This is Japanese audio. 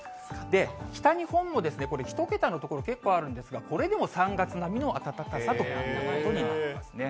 北日本もですね、これ、１桁の所、結構あるんですが、これでも３月並みの暖かさということになりますね。